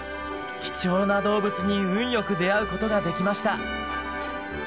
貴重な動物に運良く出会うことができました！